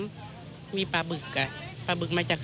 ระดับสองเหรอวันนี้มีอะไรมาขายบ้างครับมีชำหกเหมือนนี้แหละค่ะ